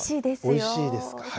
おいしいですか。